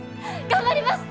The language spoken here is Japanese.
頑張ります！